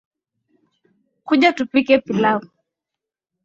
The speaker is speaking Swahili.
Kuja tupike pilau